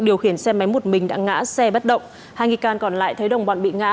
điều khiển xe máy một mình đã ngã xe bất động hai nghi can còn lại thấy đồng bọn bị ngã